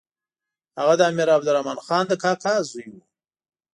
هغه د امیر عبدالرحمن خان د کاکا زوی وو.